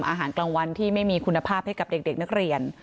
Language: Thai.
อาหารกลางวันที่ไม่มีคุณภาพให้กับเด็กนักเรียน